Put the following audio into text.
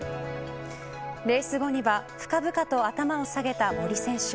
レース後には深々と頭を下げた森選手。